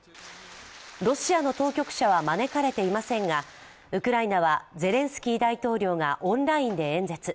ロシアの当局者は招かれていませんがウクライナはゼレンスキー大統領がオンラインで演説。